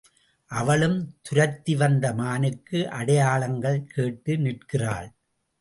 அவளும் துரத்தி வந்த மானுக்கு அடையாளங்கள் கேட்டு நிற்கிறாள்.